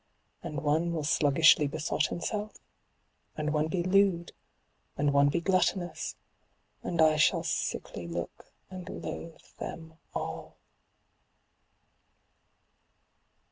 7i and one will sluggishly besot himself, and one be lewd, and one be gluttonous; and I shall sickly look, and loathe them all.